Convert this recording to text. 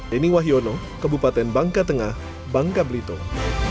denny wahyono kebupaten bangka tengah bangka belitung